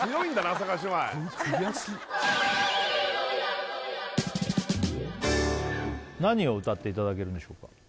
阿佐ヶ谷姉妹何を歌っていただけるんでしょうか